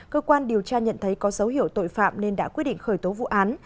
cơ quan điều tra nhận thấy có dấu hiệu tội phạm nên đã quyết định khởi tố vụ án